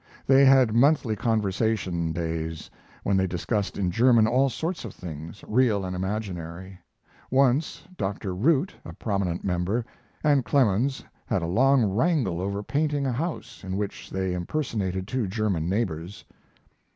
They had monthly conversation days, when they discussed in German all sorts of things, real and imaginary. Once Dr. Root, a prominent member, and Clemens had a long wrangle over painting a house, in which they impersonated two German neighbors.